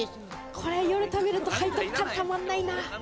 これ、夜食べると背徳感たまらないな。